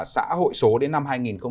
xã hội số đến năm hai nghìn hai mươi